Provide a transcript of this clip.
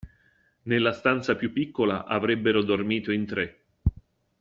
Nella stanza più piccola avrebbero dormito in tre.